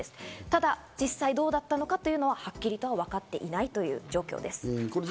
ただ実際どうだったのかということをはっきり分かっていないという状況です。